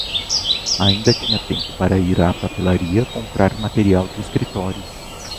Ainda tinha tempo para ir à papelaria comprar material de escritório.